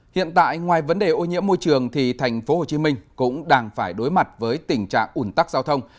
hiện tại ngoài vấn đề ô nhiễm môi trường thì thành phố hồ chí minh cũng đang phải đối mặt với tình trạng ủn tắc giao thông